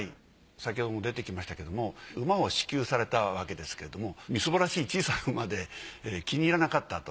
先ほども出てきましたけれども馬を支給されたわけですけれどもみすぼらしい小さな馬で気に入らなかったと。